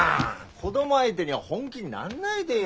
子供相手に本気になんないでよ。